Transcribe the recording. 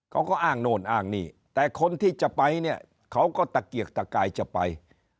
เขาก็อ้างโน่นอ้างนี่แต่คนที่จะไปเนี่ยเขาก็ตะเกียกตะกายจะไป